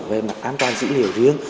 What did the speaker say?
về an toàn dữ liệu riêng